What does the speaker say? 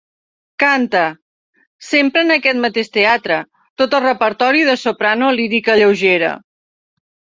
Canta, sempre en aquest mateix teatre, tot el repertori de soprano lírica lleugera.